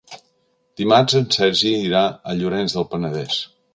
Dimarts en Sergi irà a Llorenç del Penedès.